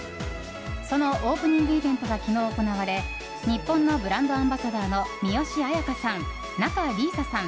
そのオープニングイベントが昨日行われ日本のブランドアンバサダーの三吉彩花さん、仲里依紗さん